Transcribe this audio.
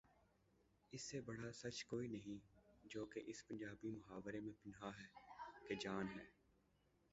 اس سے بڑا سچ کوئی نہیں جو کہ اس پنجابی محاورے میں پنہاں ہے کہ جان ہے۔